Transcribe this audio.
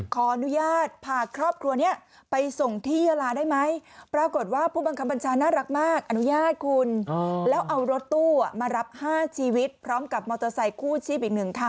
ขออนุญาตพาครอบครัวเนี่ยไปส่งที่ยาลาได้ไหม